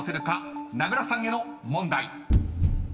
［名倉さんへの問題］